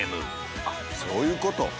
あっそういうこと！